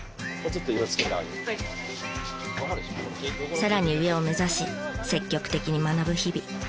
さらに上を目指し積極的に学ぶ日々。